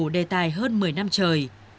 đề tài hơn một mươi năm trời